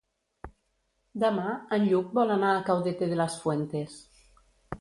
Demà en Lluc vol anar a Caudete de las Fuentes.